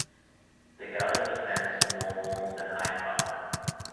The Gardens are fenced and more formal than Hyde Park.